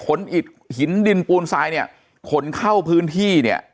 อิดหินดินปูนทรายเนี่ยขนเข้าพื้นที่เนี่ย